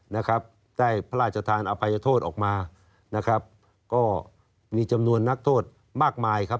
นะครับได้พระราชทานอภัยโทษออกมานะครับก็มีจำนวนนักโทษมากมายครับ